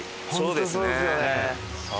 本当そうですよね。